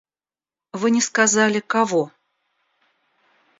Вы не сказали - кого.